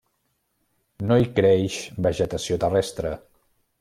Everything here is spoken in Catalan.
No hi creix vegetació terrestre.